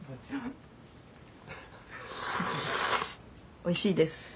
おいしいです。